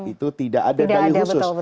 itu tidak ada dayu khusus